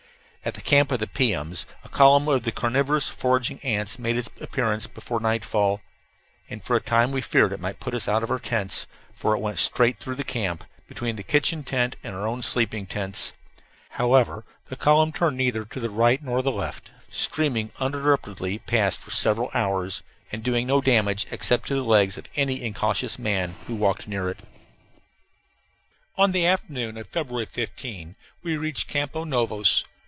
At the camp of the piums a column of the carnivorous foraging ants made its appearance before nightfall, and for a time we feared it might put us out of our tents, for it went straight through camp, between the kitchen tent and our own sleeping tents. However, the column turned neither to the right nor the left, streaming uninterruptedly past for several hours, and doing no damage except to the legs of any incautious man who walked near it. On the afternoon of February 15 we reached Campos Novos.